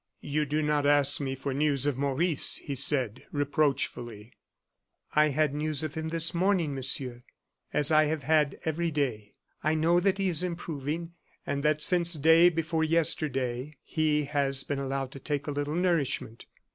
"You do not ask me for news of Maurice," he said, reproachfully. "I had news of him this morning, Monsieur, as I have had every day. I know that he is improving; and that, since day before yesterday, he has been allowed to take a little nourishment."